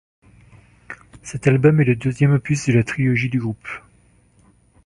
Cet album est le deuxième opus de la trilogie du groupe.